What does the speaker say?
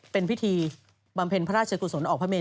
เป็นพิธีบำเพ็ญพระราชกุศลออกพระเมน